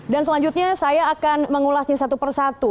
dan selanjutnya saya akan mengulasnya satu persatu